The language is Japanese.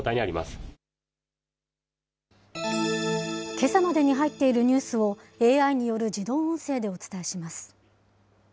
けさまでに入っているニュースを、ＡＩによる自動音声でお伝えします。